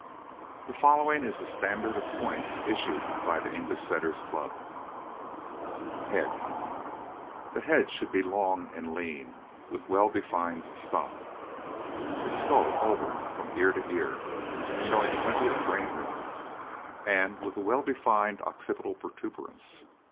The following is the standard of points issued by the English Setter Club: HEAD The head should be long and lean, with well defined stop. The skull oval from ear to ear, showing plenty of brain room, and with a well defined occipital protuberance.